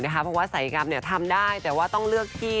เพราะว่าสายกรรมทำได้แต่ว่าต้องเลือกที่